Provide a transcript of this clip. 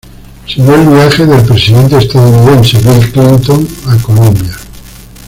Siguió el viaje del presidente estadounidense Bill Clinton a Colombia.